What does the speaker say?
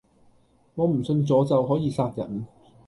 我唔信詛咒可以殺人